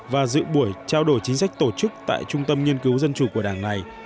và dự buổi trao đổi chính sách tổ chức tại trung tâm nghiên cứu dân chủ của đảng này